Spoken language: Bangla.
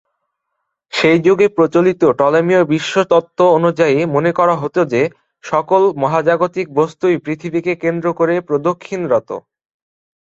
সেই যুগে প্রচলিত টলেমীয় বিশ্বতত্ত্ব অনুযায়ী মনে করা হত যে, সকল মহাজাগতিক বস্তুই পৃথিবীকে কেন্দ্র করে প্রদক্ষিণ রত।